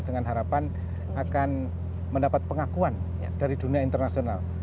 dengan harapan akan mendapat pengakuan dari dunia internasional